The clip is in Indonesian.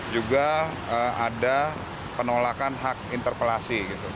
juga ada penolakan hak interpelasi